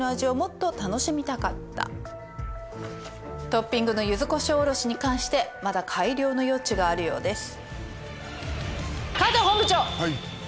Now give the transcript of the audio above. トッピングの柚子こしょうおろしに関してまだ改良の余地があるようです。